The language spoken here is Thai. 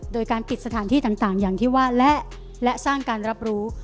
โดยการปิดสถานที่ต่างอย่างที่ว่าและสร้างการรับรู้